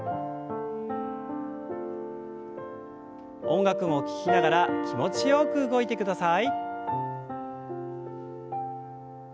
音楽を聞きながら気持ちよく動いてください。